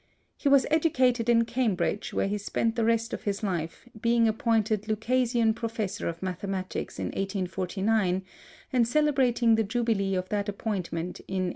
He was educated in Cambridge, where he spent the rest of his life, being appointed Lucasian Professor of Mathematics in 1849, and celebrating the jubilee of that appointment in 1899.